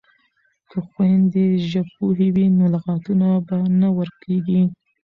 که خویندې ژبپوهې وي نو لغاتونه به نه ورکیږي.